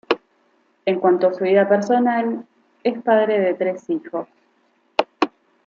En cuanto a su vida personal, es padre de tres hijos.